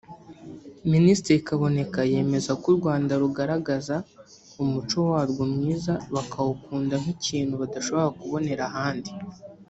Minisitiri Kaboneka yemeza ko u Rwanda rugaragaza umuco warwo mwiza bakawukunda nk’ikintu badashobora kubonera ahandi